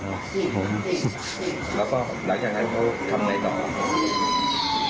พี่บ๊วยแล้วก็หลังจากครั้งเขาทำงานต่อ